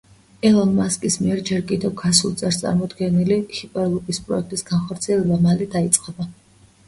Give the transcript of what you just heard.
ელონ მასკის მიერ ჯერ კიდევ გასულ წელს წარმოდგენილი ჰიპერლუპის პროექტის განხორციელება, მალე დაიწყება.